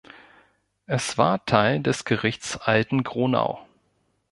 Es war Teil des Gerichts Altengronau.